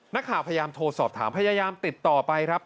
นักข่าวพยายามโทรสอบถามพยายามติดต่อไปครับ